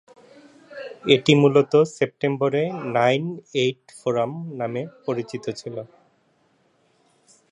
এটি মূলত "সেপ্টেম্বরে-নাইনএইট-ফোরাম" নামে পরিচিত ছিল।